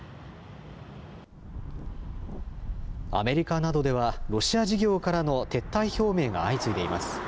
アメリカなどではロシア事業からの撤退表明が相次いでいます。